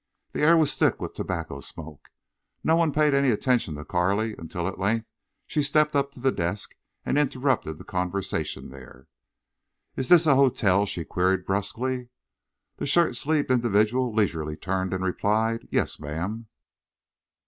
The air was thick with tobacco smoke. No one paid any attention to Carley until at length she stepped up to the desk and interrupted the conversation there. "Is this a hotel?" she queried, brusquely. The shirt sleeved individual leisurely turned and replied, "Yes, ma'am."